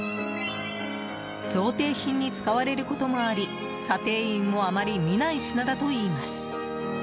贈呈品に使われることもあり査定員もあまり見ない品だといいます。